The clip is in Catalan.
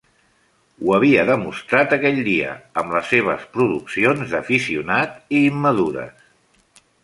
Ho havia demostrat aquell dia, amb les seves produccions d'aficionat i immadures.